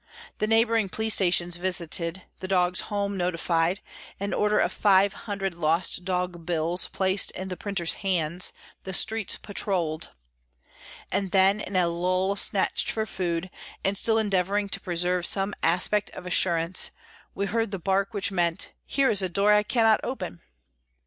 The neighbouring police stations visited, the Dog's Home notified, an order of five hundred "Lost Dog" bills placed in the printer's hands, the streets patrolled! And then, in a lull snatched for food, and still endeavouring to preserve some aspect of assurance, we heard the bark which meant: "Here is a door I cannot open!"